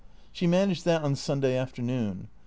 She managed that on Sunday afternoon.